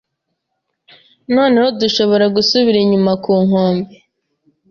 noneho dushobora gusubira inyuma ku nkombe. ”